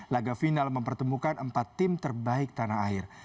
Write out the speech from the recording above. laga final mempertemukan empat tim terbaik tanah air